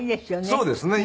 そうですね。